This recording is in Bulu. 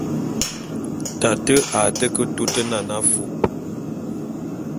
Tate a té ke tôt nane afúp.